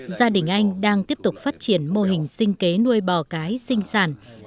gia đình anh đang tiếp tục phát triển mô hình sinh kế nuôi bò cái sinh sản